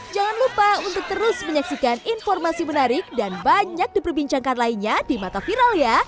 jangan lupa untuk terus menyaksikan informasi menarik dan banyak diperbincangkan lainnya di mata viral ya